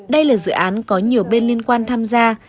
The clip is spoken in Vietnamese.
đây là dự án có nhiều bên liên quan tham gia